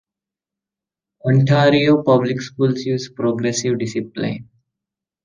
Ontario public schools use progressive discipline.